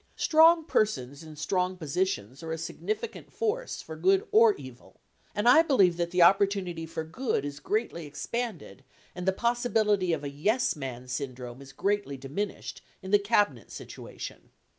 Strong persons in strong positions are a significant force for good or evil ; and I believe that the opportunity for good is greatly expanded and the possibility of a "Yes" man syndrome is greatly diminished in the Cabinet situation.